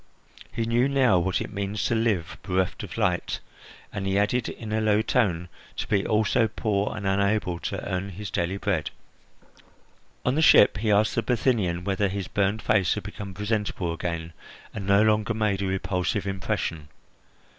He knew now what it means to live bereft of light, and, he added in a low tone, to be also poor and unable to earn his daily bread. On the ship he asked the Bithynian whether his burned face had become presentable again, and no longer made a repulsive impression.